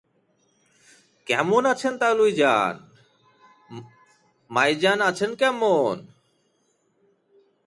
কেমন আছেন তালুই জান, মাঐ জান আছেন কেমন?